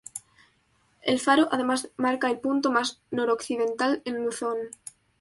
El faro además marca el punto más noroccidental en Luzón.